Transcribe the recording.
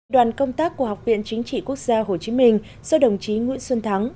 đoàn công tác của học viện chính trị quốc gia hồ chí minh do đồng chí nguyễn xuân thắng